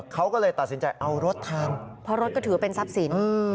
เขาก็เลยตัดสินใจเอารถแทนเพราะรถก็ถือเป็นทรัพย์สิน